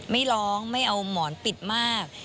ไม่ร้องไม่เอาหมอนปิดมาก